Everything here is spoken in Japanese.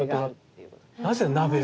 なぜ鍋を？